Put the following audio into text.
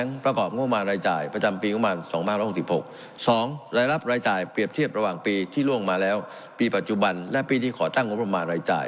คลีกง่ายได้เปรียบเทียบน้ำระหว่างปีที่ร่วงมาแล้วปีปัจจุบันและปีที่ขอตั้งงบปรมาณรายจ่าย